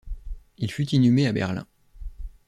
Il fut inhumé à Berlin.